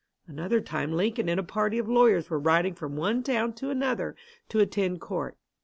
Another time Lincoln and a party of lawyers were riding from one town to another to attend court.